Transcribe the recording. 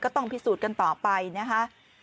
ต้องพิสูจน์กันต่อไปนะคะ